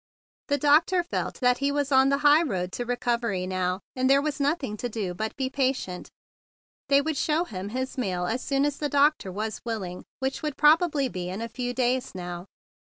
The doctor felt that he was on the high road to re¬ covery now, and there was nothing to do but be patient. They would show THE BIG BLUE SOLDIER 147 him his mail as soon as the doctor was willing, which would probably be in a few days now.